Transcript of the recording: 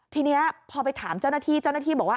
ทีนี้พอไปถามเจ้าหน้าที่เจ้าหน้าที่บอกว่า